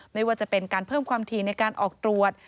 ไม่ว่าจะเป็นการเพิ่มความถี่ในการออกตรวจ